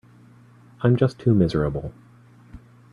I'm just too miserable.